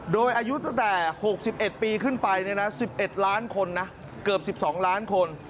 โดยอายุตั้งแต่๖๑ปีขึ้นไป๑๑ล้านคนนะเกือบ๑๒ล้านคน